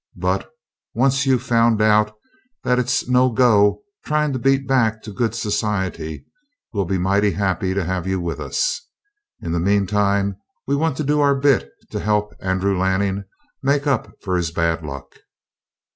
But once you've found out that it's no go trying to beat back to good society, we'll be mighty happy to have you with us. In the meantime, we want to do our bit to help Andrew Lanning make up for his bad luck.